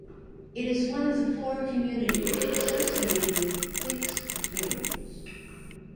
It is one of four communities associated with fixed dunes.